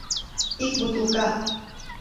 Ик бутылка!..